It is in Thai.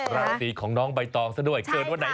ราศีของน้องใบตองซะด้วยเกิดวันไหน